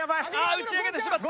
打ち上げてしまった！